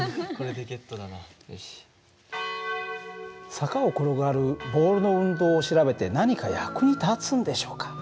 坂を転がるボールの運動を調べて何か役に立つんでしょうか。